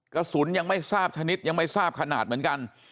กระสุนยังไม่ทราบชนิดยังไม่ทราบขนาดเหมือนกัน